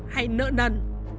hay nợ nần